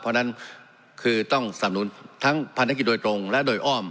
เพราะฉะนั้นคือต้องสำนุนทั้งภารกิจโดยตรงและโดยอ้อม